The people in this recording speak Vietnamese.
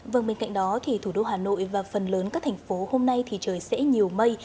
vâng bên cạnh đó thì thủ đô hà nội và phần lớn các thành phố hôm nay thì trời sẽ nhiều mây